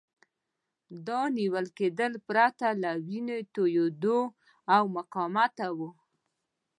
دا نیول کېدل پرته له وینو توېیدو او مقاومته وو.